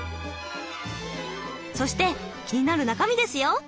そして気になる中身ですよ！